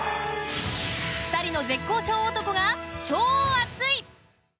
２人の絶好調男が超熱い！